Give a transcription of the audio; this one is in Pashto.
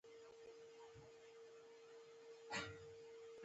مچان د ورځي او شپې دواړو وختونو کې راځي